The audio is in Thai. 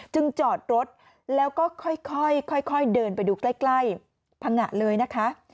จอดรถแล้วก็ค่อยเดินไปดูใกล้พังงะเลยนะคะ